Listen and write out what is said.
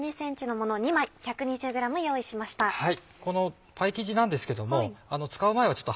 このパイ生地なんですけども。